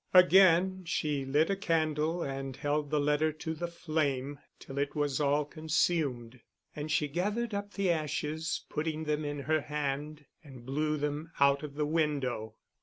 Again she lit a candle, and held the letter to the flame till it was all consumed; and she gathered up the ashes, putting them in her hand, and blew them out of the window.